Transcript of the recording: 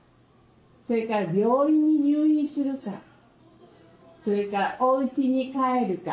それから病院に入院するかそれかおうちに帰るか。